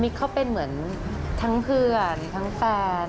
เขาเป็นเหมือนทั้งเพื่อนทั้งแฟน